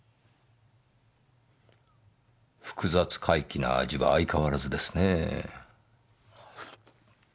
複雑怪奇な味は相変わらずですねぇ。